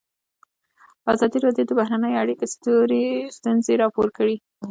ازادي راډیو د بهرنۍ اړیکې ستونزې راپور کړي.